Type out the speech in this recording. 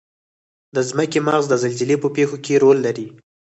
د ځمکې مغز د زلزلې په پیښو کې رول لري.